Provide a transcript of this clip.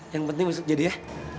yang penting masuk jadi ya